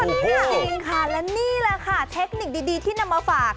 จริงค่ะและนี่แหละค่ะเทคนิคดีที่นำมาฝาก